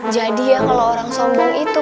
jadi ya kalau orang sombong itu